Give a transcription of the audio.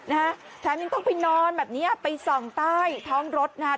นะฮะแถมยังต้องไปนอนแบบเนี้ยไปส่องใต้ท้องรถนะฮะ